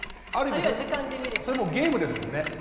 ある意味それもゲームですもんね。